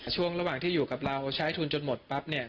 ช่วงระหว่างที่อยู่กับเราใช้ทุนจนหมดปั๊บเนี่ย